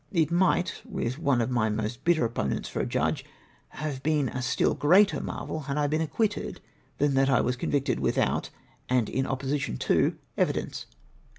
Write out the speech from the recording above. It might, with one of my most bitter opponents for a judge, have been a still greater marvel had I been acquitted, than that I was convicted without and in opposition to evidence.